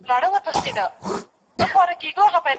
ایا د اسلام دين اسانه دی او حرج نلري؟